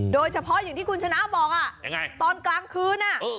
โดยเฉพาะอย่างที่คุณชนะบอกตอนกลางคืน